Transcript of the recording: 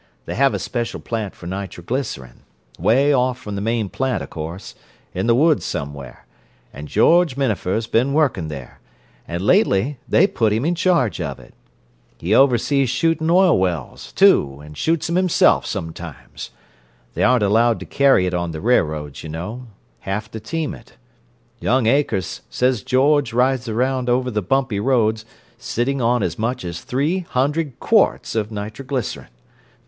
They have a special plant for nitroglycerin, way off from the main plant, o' course—in the woods somewhere—and George Minafer's been working there, and lately they put him in charge of it. He oversees shooting oil wells, too, and shoots 'em himself, sometimes. They aren't allowed to carry it on the railroads, you know—have to team it. Young Akers says George rides around over the bumpy roads, sitting on as much as three hundred quarts of nitroglycerin!